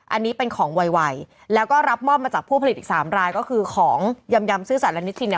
อันนี้เป็นของไวแล้วก็รับมอบมาจากผู้ผลิตอีกสามรายก็คือของยำยำซื่อสัตว์และนิทินเนี่ย